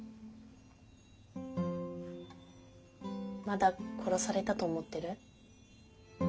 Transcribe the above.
まだ殺されたと思ってる？